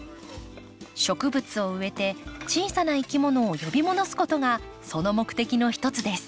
植物を植えて小さないきものを呼び戻すことがその目的のひとつです。